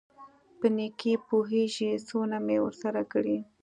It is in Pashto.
په نېکۍ پوېېږي څونه مې ورسره کړي.